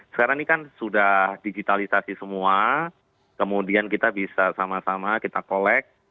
sekarang ini kan sudah digitalisasi semua kemudian kita bisa sama sama kita kolek